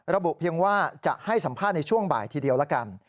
ระบุเพียงว่าจะให้สัมภาษณ์ในช่วงบ่ายทีเดียวละกัน